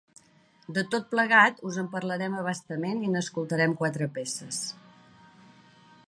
De tot plegat, us en parlarem a bastament i n’escoltarem quatre peces.